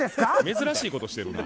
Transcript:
珍しいことしてるな。